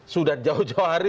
sudah jauh jauh hari